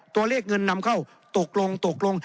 ตัวเลขเงินนำเข้าตกลงตกลง